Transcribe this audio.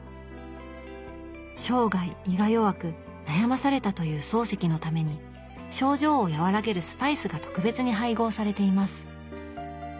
生涯胃が弱く悩まされたという漱石のために症状を和らげるスパイスが特別に配合されています。